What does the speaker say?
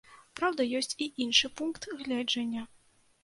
Праўда, ёсць і іншы пункт гледжання.